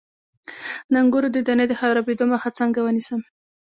د انګورو د دانې د خرابیدو مخه څنګه ونیسم؟